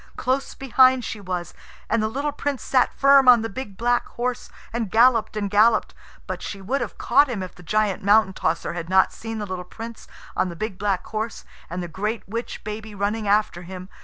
Close behind she was, and the little Prince sat firm on the big black horse, and galloped and galloped. But she would have caught him if the giant Mountain tosser had not seen the little Prince on the big black horse, and the great witch baby running after him.